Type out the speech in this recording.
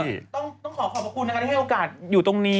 ต้องขอขอบคุณนะคะได้โอกาสอยู่ตรงนี้